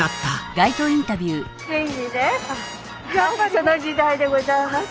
その時代でございます。